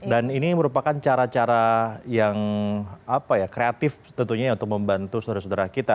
dan ini merupakan cara cara yang kreatif tentunya untuk membantu saudara saudara kita